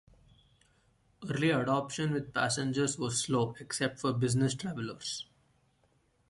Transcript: Early adoption with passengers was slow, except for Business Travellers.